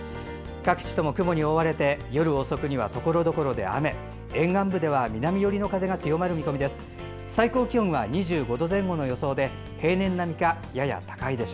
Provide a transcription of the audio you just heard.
各地とも雲に覆われて夜遅くにはところどころで雨沿岸部では南寄りの風が強まる見込みです。